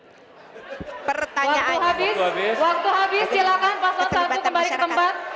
silakan paslon satu kembali ke tempat